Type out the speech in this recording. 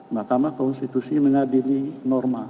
mahkamah konstitusi mengadili norma